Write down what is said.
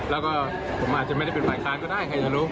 แล้วก็ผมอาจจะไม่ได้เป็นฝ่ายค้านก็ได้ใครจะรู้